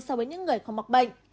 so với những người không mắc bệnh